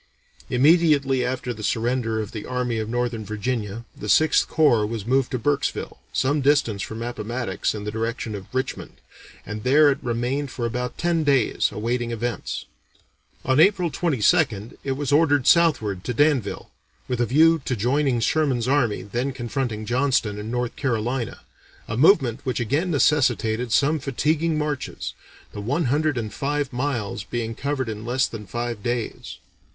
Immediately after the surrender of the Army of Northern Virginia, the Sixth Corps was moved to Burkesville, some distance from Appomattox in the direction of Richmond, and there it remained for about ten days awaiting events. On April 22nd it was ordered southward to Danville, with a view to joining Sherman's army then confronting Johnston in North Carolina, a movement which again necessitated some fatiguing marches, the one hundred and five miles being covered in less than five days.